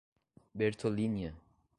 Bertolínia